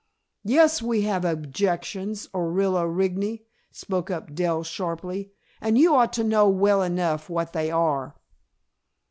"Yes, we have objections, Orilla Rigney," spoke up Dell, sharply, "and you ought to know well enough what they are."